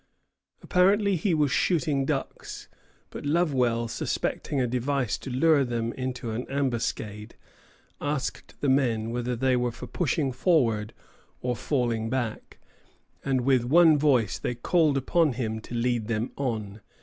Apparently he was shooting ducks; but Lovewell, suspecting a device to lure them into an ambuscade, asked the men whether they were for pushing forward or falling back, and with one voice they called upon him to lead them on.